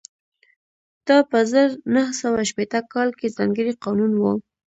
دا په زر نه سوه شپېته کال کې ځانګړی قانون و